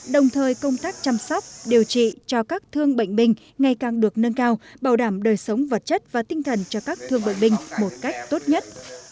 đồng thời công tác chăm sóc điều trị cho các thương bệnh binh ngày càng được nâng cao bảo đảm đời sống vật chất và tinh thần cho các thương bệnh binh một cách tốt nhất